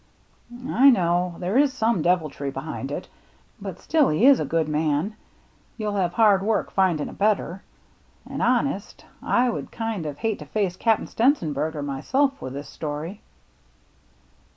" I know — there is some deviltry behind it. But still he is a good man. You'll have hard work finding a better. And honest, I would kind of hate to face Cap'n Stenzenberger myself with this story."